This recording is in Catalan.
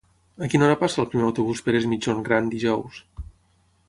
A quina hora passa el primer autobús per Es Migjorn Gran dijous?